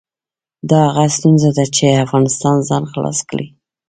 دا هغه ستونزه ده چې افغانستان ځان خلاص کړي.